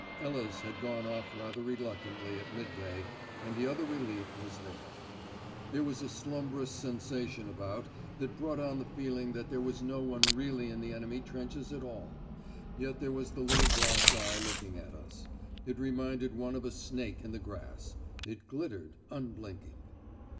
Ellis had gone off rather reluctantly at midday, and the other relief was there. There was a slumbrous sensation about that brought on the feeling that there was no one really in the enemy trenches at all. Yet there was the little glass eye looking at us: it reminded one of a snake in the grass. It glittered, unblinking.